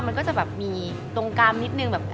มันก็จะแบบมีตรงกามนิดนึงแบบ